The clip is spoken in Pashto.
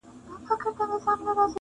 په افسانو کي به یادیږي ونه!!!!!